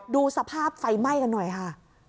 ดูสภาพไฟไหม้กันหน่อยค่ะ